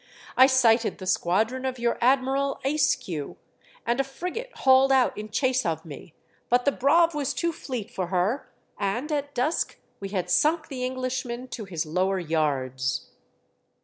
" I sighted the squadron of your Admiral Ayscue and a frigate hauled out in chase of me, but the Braave was too fleet for her, and at dusk we had sunk the Englishman to his lower yards!"